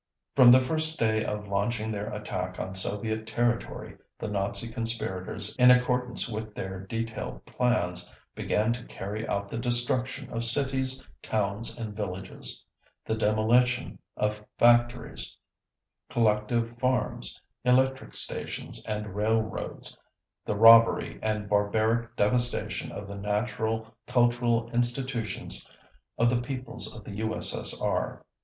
From the first day of launching their attack on Soviet territory the Nazi conspirators, in accordance with their detailed plans, began to carry out the destruction of cities, towns, and villages, the demolition of factories, collective farms, electric stations, and railroads, the robbery and barbaric devastation of the natural cultural institutions of the peoples of the U.S.S.R.